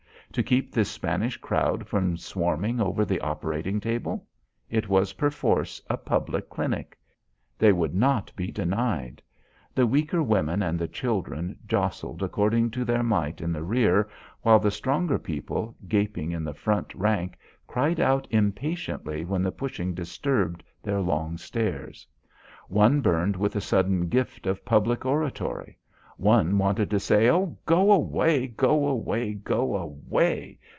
To keep this Spanish crowd from swarming over the operating table! It was perforce a public clinic. They would not be denied. The weaker women and the children jostled according to their might in the rear, while the stronger people, gaping in the front rank, cried out impatiently when the pushing disturbed their long stares. One burned with a sudden gift of public oratory. One wanted to say: "Oh, go away, go away, go away.